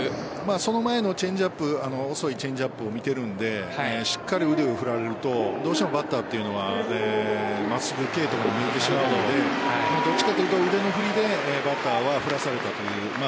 その前のチェンジアップ遅いチェンジアップを見ているのでしっかり腕を振られるとどうしてもバッターは真っすぐ系統に見えてしまうので腕の振りでバッターは振らされたという。